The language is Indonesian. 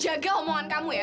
jaga omongan kamu ya